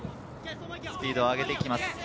スピード上げて行きます